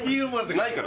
ないから。